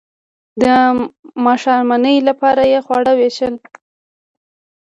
د ماښامنۍ لپاره یې خواړه ویشل.